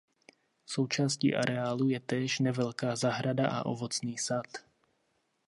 Součástí areálu je též nevelká zahrada a ovocný sad.